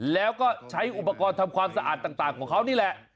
แล้วก็ใช้อุปกรณ์ทำความสะอาดต่างของเขานี่แหละ